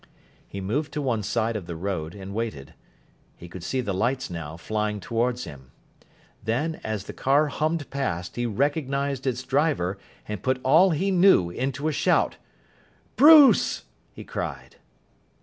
He moved to one side of the road, and waited. He could see the lights now, flying towards him. Then, as the car hummed past, he recognised its driver, and put all he knew into a shout. "Bruce!" he cried.